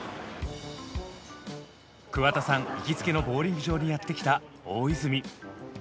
桑田さん行きつけのボウリング場にやって来た大泉。